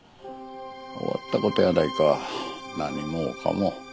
終わった事やないか何もかも。